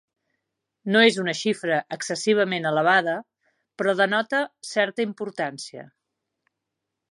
No és una xifra excessivament elevada, però denota certa importància.